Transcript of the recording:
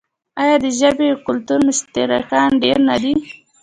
آیا د ژبې او کلتور مشترکات ډیر نه دي؟